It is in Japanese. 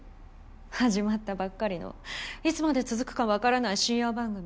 始まったばっかりのいつまで続くかわからない深夜番組に。